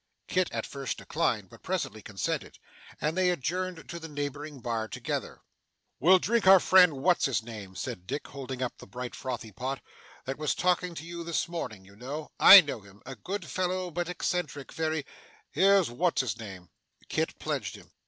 Kit at first declined, but presently consented, and they adjourned to the neighbouring bar together. 'We'll drink our friend what's his name,' said Dick, holding up the bright frothy pot; ' that was talking to you this morning, you know I know him a good fellow, but eccentric very here's what's his name!' Kit pledged him.